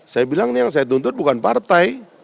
saya bilang ini yang saya tuntut bukan partai